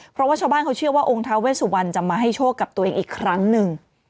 เพราะว่าชาวบ้านเขาเชื่อว่าองค์ท้าเวสุวรรณจะมาให้โชคกับตัวเองอีกครั้งหนึ่ง